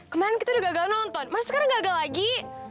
kemaren kita udah gagal nonton masa sekarang gagal lagi